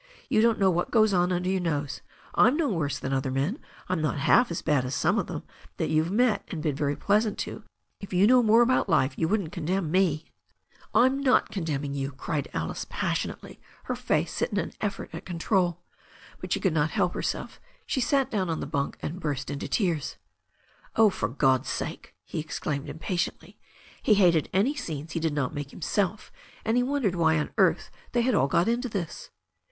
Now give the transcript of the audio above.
You don't know what goes on under your nose. I'm no worse than other men. I'm not half as bad as some of them that you've met and been very pleasant to. If you knew more about life you wouldn't condemn me." THE STORY OF A NEW ZEALAND RIVER 377 «T>. Fm not condemning you," cried Alice passionately, her face set in an effort at control. But she could not help herself. She sat down on the bunk and burst into tears. "Oh, for God's sake," he exclaimed impatiently. He hated any scenes he did not make himself, and he wondered why on earth they had all got into this.